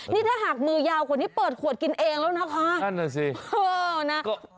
ถ้าหากมูยาวคนนี้เปิดขวดกินเองแล้วนะคะ